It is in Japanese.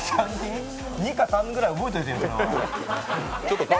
２か３ぐらい覚えておいてよ。